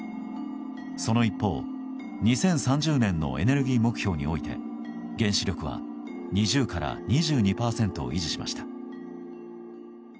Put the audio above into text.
その一方、２０３０年のエネルギー目標において原子力は２０から２２％を維持しました。